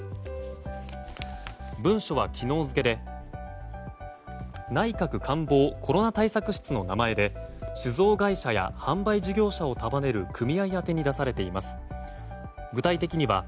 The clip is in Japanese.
文書は昨日付で内閣官房コロナ対策室の名前で酒造会社や販売業者それらを束ねる組合宛てに出されています。